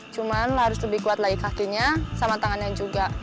cuman harus lebih kuat lagi kakinya sama tangannya juga